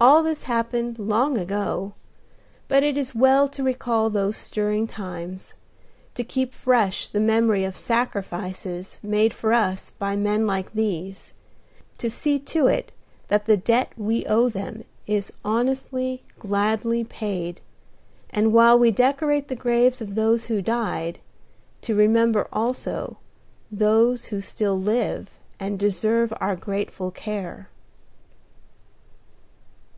All this happened long ago; but it is well to recall those stirring times, to keep fresh the memory of sacrifices made for us by men like these; to see to it that the debt we owe them is honestly, gladly paid; and, while we decorate the graves of those who died, to remember also those who still live to deserve our grateful care.